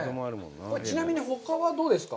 これ、ちなみにほかはどうですか。